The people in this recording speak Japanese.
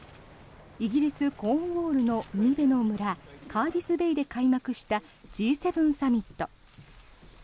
イギリス・コーンウォールの海辺の村カービスベイで開幕したＧ７サミット。